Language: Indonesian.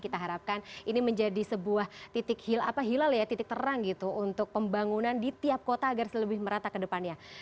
kita harapkan ini menjadi sebuah titik hilal ya titik terang gitu untuk pembangunan di tiap kota agar lebih merata ke depannya